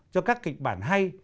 cho các kịch bản hay